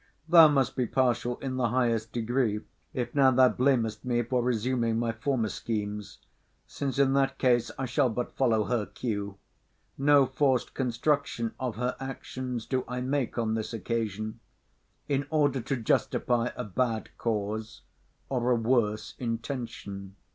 Thou must be partial in the highest degree, if now thou blamest me for resuming my former schemes, since in that case I shall but follow her cue. No forced construction of her actions do I make on this occasion, in order to justify a bad cause or a worse intention.